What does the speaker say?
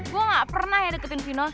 gue gak pernah ya deketin vino